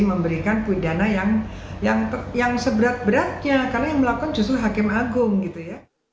memberikan pidana yang seberat beratnya karena yang melakukan justru hakim agung gitu ya